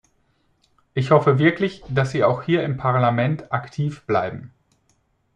Ich hoffe wirklich, dass Sie auch hier im Parlament aktiv bleiben.